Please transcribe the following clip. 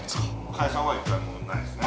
解散は一回もないですね。